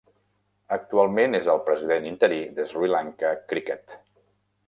Actualment és el president interí de Sri Lanka Cricket.